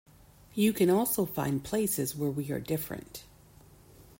You can also find places where we are different.